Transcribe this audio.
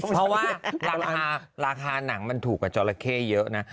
เพราะว่าราคาราคาหนังมันถูกกว่าจอราเข้เยอะนะ